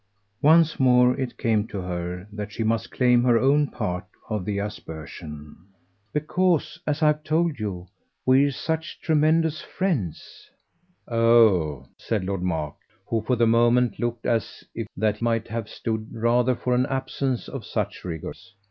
Once more it came to her that she must claim her own part of the aspersion. "Because, as I've told you, we're such tremendous friends." "Oh," said Lord Mark, who for the moment looked as if that might have stood rather for an absence of such rigours.